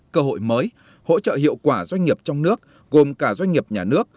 cơ hội mới hỗ trợ hiệu quả doanh nghiệp trong nước gồm cả doanh nghiệp nhà nước